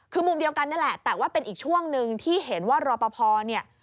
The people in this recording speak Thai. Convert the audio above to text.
คือมุมเดียวกันนี่แหละแต่ว่าเป็นอีกช่วงหนึ่งที่เห็นว่ารอปภเนี่ย